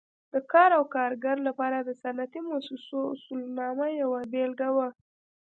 د کار او کارګر لپاره د صنعتي مؤسسو اصولنامه یوه بېلګه وه.